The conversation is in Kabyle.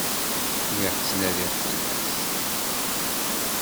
Lliɣ ttnadiɣ fell-as.